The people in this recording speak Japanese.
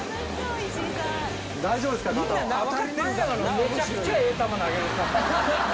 めちゃくちゃええ球投げる。